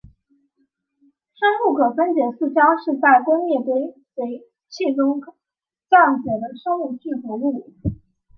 生物可分解塑胶是在工业堆肥器中降解的生物聚合物。